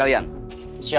terima kasih pak